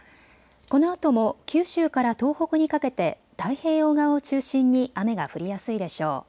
このあとも九州から東北にかけて太平洋側を中心に雨が降りやすいでしょう。